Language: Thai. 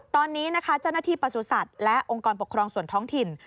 ตอนนี้นะคะเจ้าหน้าที่ประสุทธิ์และองค์กรปกครองส่วนท้องถิ่น